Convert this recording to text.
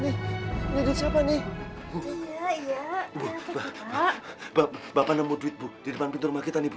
ibu bapak nemu duit di depan pintu rumah kita nih ibu